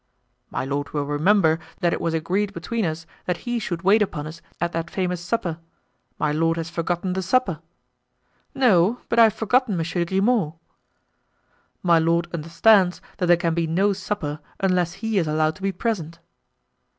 "My lord will remember that it was agreed between us that he should wait upon us at that famous supper. My lord has forgotten the supper." "No, but I have forgotten Monsieur Grimaud." "My lord understands that there can be no supper unless he is allowed to be present."